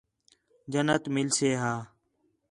جنت مِل سے ہا